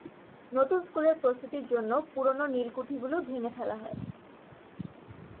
নতুন স্কুলের প্রস্তুতির জন্য পুরনো নীলকুঠিগুলো ভেঙে ফেলা হয়।